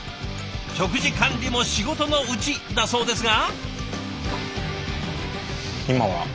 「食事管理も仕事のうち」だそうですが。